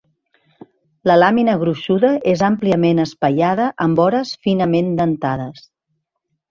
La làmina gruixuda és àmpliament espaiada amb vores finament dentades.